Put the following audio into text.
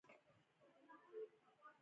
د کندهار انار ولې په نړۍ کې مشهور دي؟